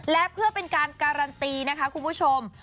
และเพื่อเป็นการการันตีนะคะคุณผู้ชม